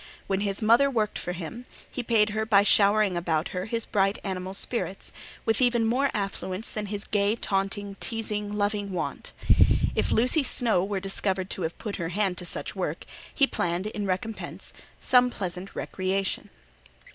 When his mother worked for him, he paid her by showering about her his bright animal spirits, with even more affluence than his gay, taunting, teasing, loving wont. If Lucy Snowe were discovered to have put her hand to such work, he planned, in recompence, some pleasant recreation.